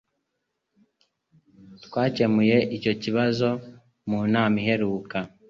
Twakemuye icyo kibazo mu nama iheruka.